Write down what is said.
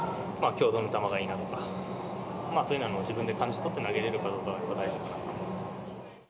きょうどの球がいいのか、そういうのは自分で感じ取って投げれるかどうかがやっぱり大事かなと思います。